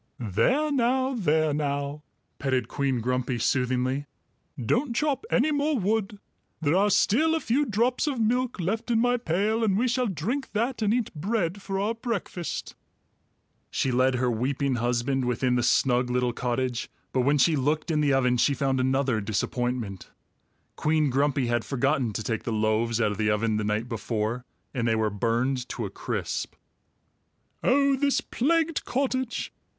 "There now, there now," petted Queen Grumpy soothingly. "Don't chop any more wood. There are still a few drops of milk left in my pail, and we shall drink that and eat bread for our breakfast." She led her weeping husband within the snug little cottage, but when she looked in the oven she found another disappointment. Queen Grumpy had forgotten to take the loaves out of the oven the night before, and they were burned to a crisp. "Oh, this plagued cottage!"